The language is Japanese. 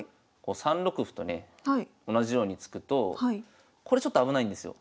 ３六歩とね同じように突くとこれちょっと危ないんですよ。